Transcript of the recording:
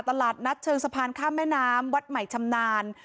ตลาดนัดเชิงสะพานข้ามแม่น้ำวัดใหม่ชำนาญ